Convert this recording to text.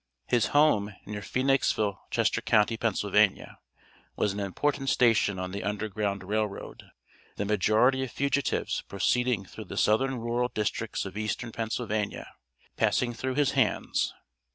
His home, near Phoenixville, Chester county, Pa., was an important station on the Underground Rail Road, the majority of fugitives proceeding through the southern rural districts of Eastern Pennsylvania, passing through his hands.